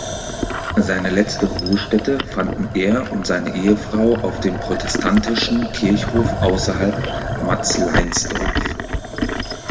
Seine letzte Ruhestätte fanden er und seine Ehefrau auf dem protestantischen Kirchhof ausserhalb Matzleinsdorf.